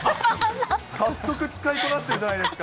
早速使いこなしてるじゃないですか。